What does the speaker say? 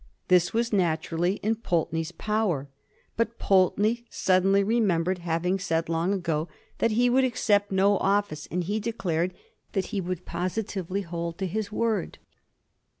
This was naturally in Pulteney's power. But Pulteney suddenly remembered having said long ago that he would accept no office, and he declared that he would positively hold to his word.